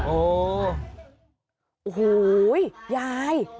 โอ้โหยาย